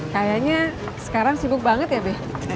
kayaknya sekarang sibuk banget ya be